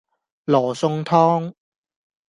羅宋湯